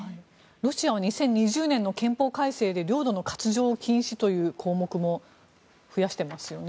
ロシアは２０２０年の憲法改正で領土の割譲禁止という項目も増やしていますよね。